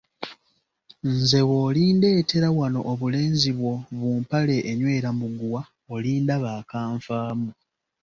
Nze bw'olindeetera wano obulenzi bwo bu mpale enywera muguwa olindaba akanfaamu.